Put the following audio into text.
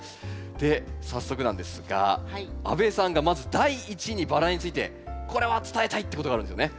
で早速なんですが阿部さんがまず第一にバラについてこれは伝えたいってことがあるんですよね？